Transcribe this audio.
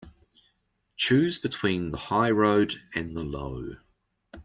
Choose between the high road and the low.